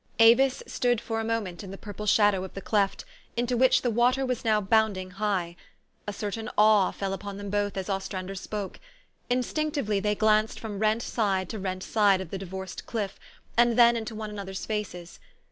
Avis stood for a moment in the purple shadow of the cleft, into which the water was now bounding high. A certain awe fell upon them both as Ostran der spoke. Instinctively they glanced from rent side to rent side of the divorced cliff, and then into one another's faces.